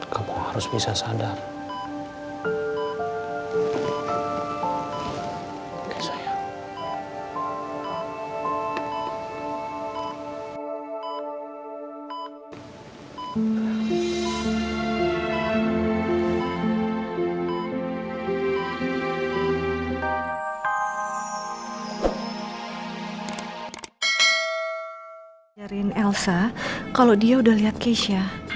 kamu gadis yang kuat jess